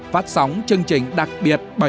phát sóng chương trình đặc biệt